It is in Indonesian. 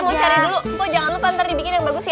kita mau cari dulu po jangan lupa nanti dibikin yang bagus ya